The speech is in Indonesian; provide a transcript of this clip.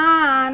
nggak ada apaan